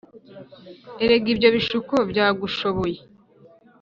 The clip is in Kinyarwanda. Erega ibyo bishuko byagushoboye